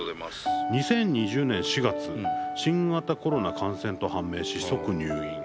「２０２０年４月新型コロナ感染と判明し、即入院。